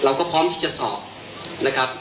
เราก็พร้อมที่จะสอบ